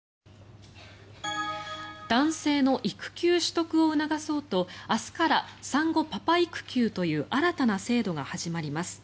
男性の育休取得を促そうと明日から産後パパ育休という新たな制度が始まります。